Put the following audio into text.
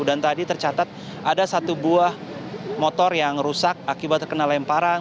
dan tadi tercatat ada satu buah motor yang rusak akibat terkena lemparan